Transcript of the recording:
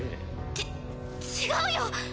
ち違うよ！